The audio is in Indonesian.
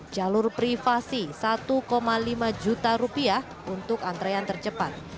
jalur privasi rp satu lima juta rupiah untuk antrean tercepat